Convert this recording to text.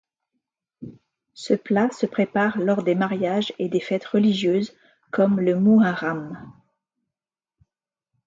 Ce plat se prépare lors des mariages et des fêtes religieuses comme le mouharram.